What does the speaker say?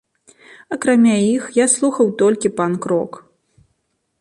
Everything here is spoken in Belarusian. Акрамя іх я слухаў толькі панк-рок.